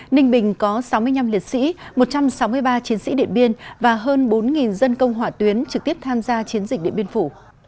ninh bình có sáu mươi năm liệt sĩ một trăm sáu mươi ba chiến sĩ điện biên và hơn bốn dân công hỏa tuyến trực tiếp tham gia chiến dịch điện biên phủ